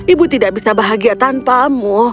ibu tidak bisa bahagia tanpamu